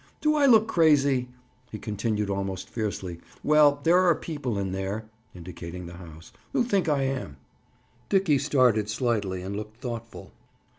Do I look crazy?" he continued almost fiercely. "Well, there are people in there," indicating the house, "who think I am." Dickie started slightly and looked thoughtful.